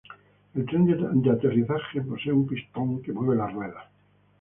El tren de aterrizaje posee un pistón que mueve las ruedas.